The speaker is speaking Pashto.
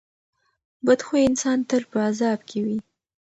بد خویه انسان تل په عذاب کې وي.